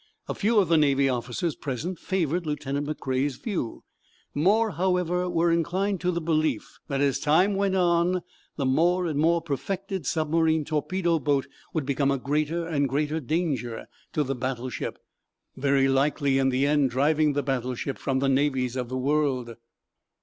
A few of the Navy officers present favored Lieutenant McCrea's view. More, however, were inclined to the belief that, as time went on, the more and more perfected submarine torpedo boat would become a greater and greater danger to the battleship, very likely in the end driving the battleship from the navies of the world.